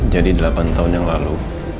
jadi delapan tahun yang lalu